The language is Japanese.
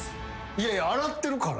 いやいや洗ってるから。